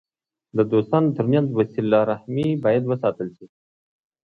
د دوستانو ترمنځ وسیله رحمي باید وساتل سي.